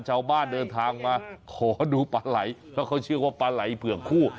เจ้าบ้านเดินทางมาโอ้โหดูปลาไหล่เขาเขาชื่อว่าปลาไหล่เผื่องคู่